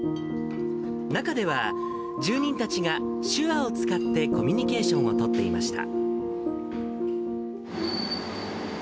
中では、住人たちが手話を使ってコミュニケーションを取っていました。